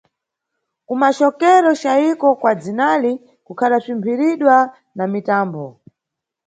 Kumacokero cayiko kwa dzinali kukadaswimphiridwa na mitambo.